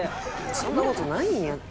そんな事ないんやって。